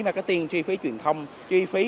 marketing chi phí truyền thông chi phí